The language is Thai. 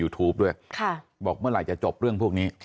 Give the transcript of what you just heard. แล้วก็ใกล้วันสถาบันภูเวรี